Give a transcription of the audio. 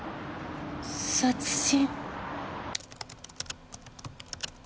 殺人？